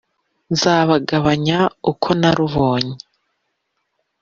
Nzabagabanya uko narubonye